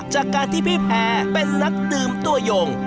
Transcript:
จากการที่พี่แพ้เป็นนักดื่มตัวยง